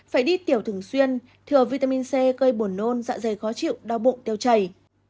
phải đi tiểu thường xuyên thừa vitamin c gây buồn nôn dạ dày khó chịu đau bụng tiêu chảy